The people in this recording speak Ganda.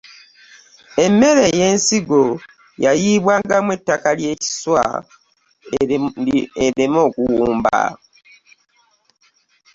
Emmere eyensigo yayiibwangamu ettaka lye kiswa ereme okuwumba.